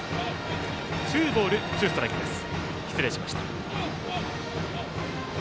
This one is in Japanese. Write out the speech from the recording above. ツーボールツーストライクです。